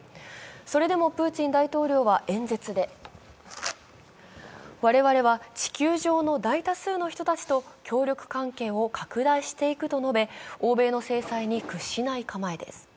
それでもプーチン大統領は演説で我々は地球上の大多数の人たちとの協力関係を拡大していくと述べ、欧米の制裁に屈しない構えです。